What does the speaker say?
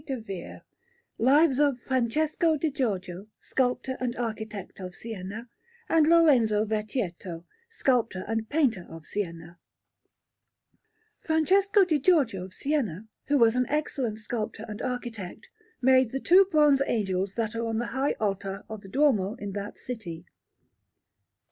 Panel)] LIVES OF FRANCESCO DI GIORGIO SCULPTOR AND ARCHITECT OF SIENA AND LORENZO VECCHIETTO SCULPTOR AND PAINTER OF SIENA Francesco di Giorgio of Siena, who was an excellent sculptor and architect, made the two bronze angels that are on the high altar of the Duomo in that city.